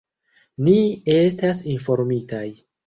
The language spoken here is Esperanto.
Ni estas informitaj.